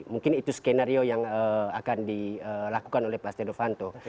mungkin itu skenario yang akan dilakukan oleh pak setia novanto